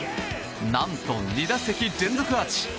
何と２打席連続アーチ！